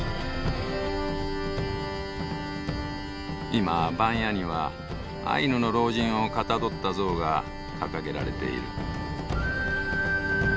今番屋にはアイヌの老人をかたどった像が掲げられている。